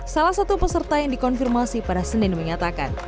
salah satu peserta yang dikonfirmasi pada senin menyatakan